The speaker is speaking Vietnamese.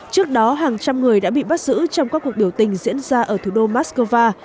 trước đó hàng trăm người đã bị bắt giữ trong các cuộc biểu tình diễn ra ở thủ đô moscow